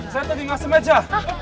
saya tadi gak semeja